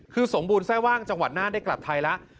คือสมบูรณแร่ว่างจังหวัดน่านได้กลับไทยแล้ว